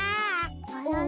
あらら？